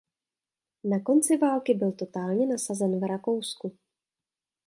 Na konci války byl totálně nasazen v Rakousku.